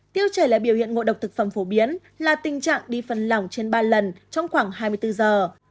tiêu chảy là biểu hiện ngộ độc thực phẩm phổ biến là tình trạng đi phần lỏng trên ba lần trong khoảng hai mươi bốn giờ